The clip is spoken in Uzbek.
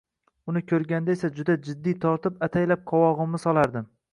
Uni ko`rganda esa juda jiddiy tortib, ataylab qovog`imni solardim